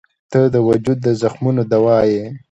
• ته د وجود د زخمونو دوا یې.